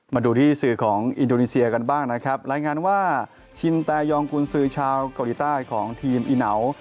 มาดูที่สื่อของอินโดนีเซียกันบ้างนะครับรายงานว่าชินแตยองกุญสือชาวเกาหลีใต้ของทีมอีเหนา